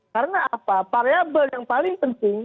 karena apa variable yang paling penting